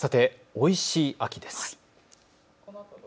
おいしい秋です。